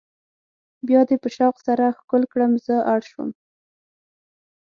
بیا دې په شوق سره ښکل کړم زه اړ شوم.